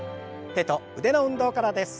手と腕の運動からです。